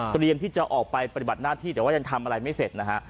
ที่จะออกไปปฏิบัติหน้าที่แต่ว่ายังทำอะไรไม่เสร็จนะฮะ